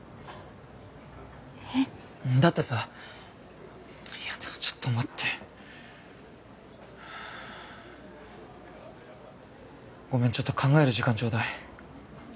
えっ？だってさいやでもちょっと待ってごめんちょっと考える時間ちょうだい俺